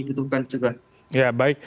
butuhkan juga ya baik